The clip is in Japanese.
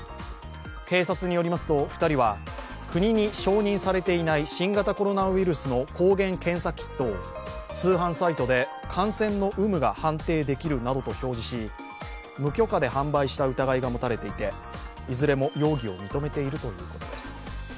警察によりますと、２人は国に承認されていない新型コロナウイルスの抗原検査キットを通販サイトで、感染の有無が判定できるなどと表示し無許可で販売した疑いが持たれていて、いずれも容疑を認めているということです。